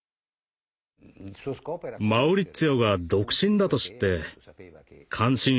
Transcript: マウリッツィオが独身だと知って関心を持ち